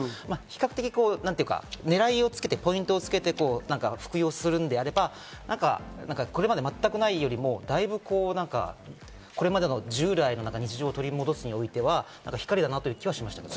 比較的ねらいをつけて、ポイントをつけて服用するのであれば、これまで全くないよりも、だいぶこれまでの従来の日常を取り戻すにおいては光だなという気はしました。